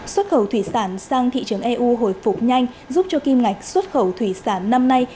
xuất khẩu thủy sản sang thị trường eu hồi phục nhanh giúp cho kim ngạch xuất khẩu thủy sản năm nay